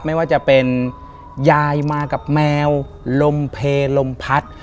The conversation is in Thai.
ไม่ว่าจะเป็นยายมากับแมวลมเพลลมพัด